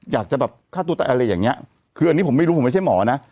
อยากจะแบบฆ่าตัวตายอะไรอย่างเงี้ยคืออันนี้ผมไม่รู้ผมไม่ใช่หมอนะ